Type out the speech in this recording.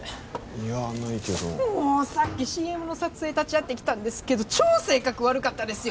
いやないけどもうさっきＣＭの撮影立ち会ってきたんですけど超性格悪かったですよ